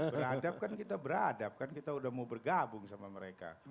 beradab kan kita beradab kan kita udah mau bergabung sama mereka